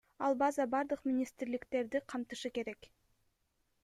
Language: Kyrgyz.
Ал база бардык министрликтерди камтышы керек.